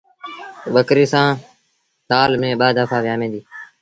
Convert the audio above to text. ٻڪريٚ سآل ميݩ ٻآ دڦآ ويٚآمي ديٚ۔